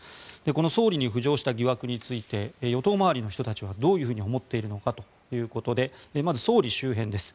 この総理に浮上した疑惑について与党周りの人たちはどう思っているのかということでまず、総理周辺です。